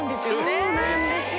そうなんですよ。